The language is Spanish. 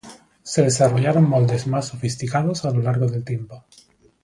Se desarrollaron moldes más sofisticados a lo largo del tiempo.